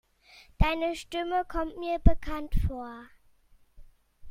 Deine Stimme kommt mir bekannt vor.